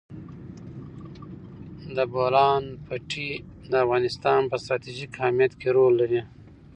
د بولان پټي د افغانستان په ستراتیژیک اهمیت کې رول لري.